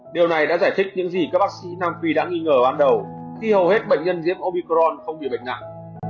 điều này đã giải thích những gì các bác sĩ nam phi đã nghi ngờ ban đầu khi hầu hết bệnh nhân nhiễm opicron không bị bệnh nặng